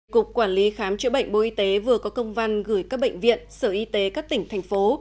cục quản lý khám chữa bệnh bộ y tế vừa có công văn gửi các bệnh viện sở y tế các tỉnh thành phố